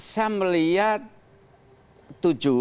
saya melihat tujuh